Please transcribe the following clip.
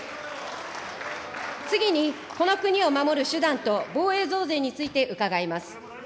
次に、この国を守る手段と防衛増税について伺います。